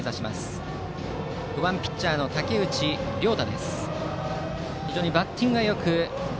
バッターは５番ピッチャーの武内涼太。